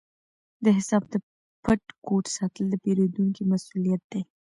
د حساب د پټ کوډ ساتل د پیرودونکي مسؤلیت دی۔